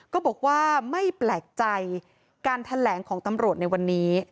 ก็บอกว่าไม่แปลกใจการแถลงของตำรวจในวันนี้